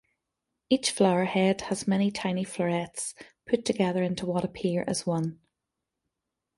Each flower head has many tiny florets put together into what appear as one.